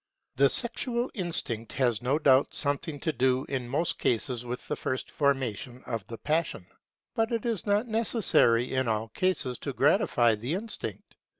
The sexual instinct has no doubt something to do in most cases with the first formation of the passion; but it is not necessary in all cases to gratify the instinct.